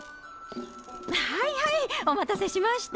はいはいお待たせしました。